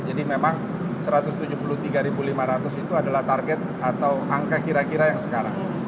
jadi memang satu ratus tujuh puluh tiga lima ratus itu adalah target atau angka kira kira yang sekarang